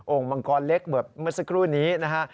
มังกรเล็กแบบเมื่อสักครู่นี้นะฮะ